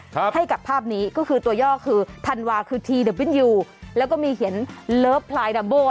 ครับให้กับภาพนี้ก็คือตัวย่อกคือคือแล้วก็มีเห็นอะไรแบบเนี้ย